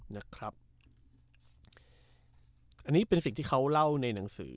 นะครับอันนี้เป็นสิ่งที่เขาเล่าในหนังสือ